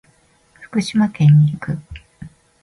福島県に行く。